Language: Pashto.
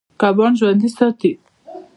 کبان ژوند ساتي.